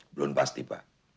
belum pasti pak